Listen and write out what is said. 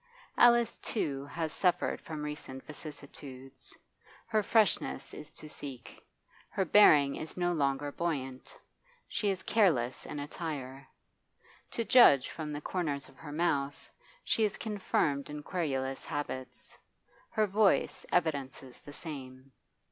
Alice, too, has suffered from recent vicissitudes; her freshness is to seek, her bearing is no longer buoyant, she is careless in attire. To judge from the corners of her mouth, she is confirmed in querulous habits; her voice evidences the same.